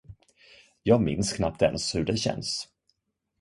Jag minns knappt ens hur det känns.